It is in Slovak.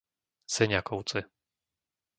Seniakovce